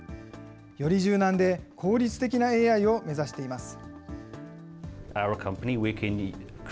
より柔軟で効率的なＡＩを目指しています。